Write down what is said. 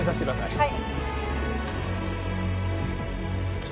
・はい